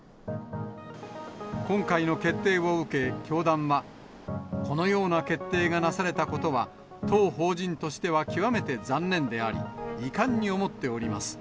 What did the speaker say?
今回の決定を受け、教団は、このような決定がなされたことは、当法人としては極めて残念であり、遺憾に思っております。